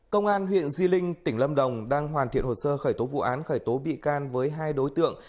công an huyện di linh tỉnh lâm đồng đang hoàn thiện hồ sơ khởi tố vụ án khởi tố bị can với hai đối tượng